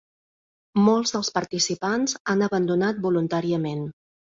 Molts dels participants han abandonat voluntàriament.